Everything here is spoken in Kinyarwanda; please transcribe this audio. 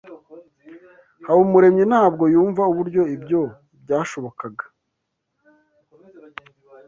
Habumuremyi ntabwo yumva uburyo ibyo byashobokaga.